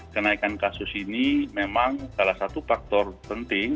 kenaikan kasus ini memang salah satu faktor penting